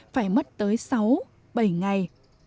phải mất tới sáu bảy ngày